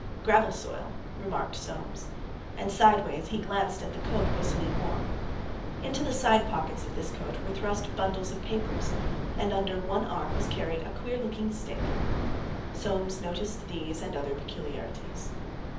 "Gravel soil," remarked Soames, and sideways he glanced at the coat Bosinney wore. Into the side pockets of this coat were thrust bundles of papers, and under one arm was carried a queer looking stick. Soames noted these and other peculiarities.